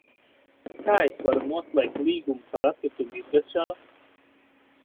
Kā es varu noslēgt līgumu par atkritumu izvešanu?